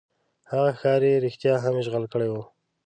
هغه ښار یې رښتیا هم اشغال کړی وو.